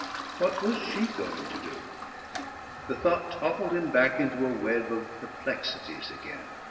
What was she going to do? The thought toppled him back into a web of perplexities again.